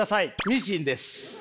ミシンです。